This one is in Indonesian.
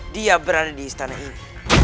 dia berada di istana ini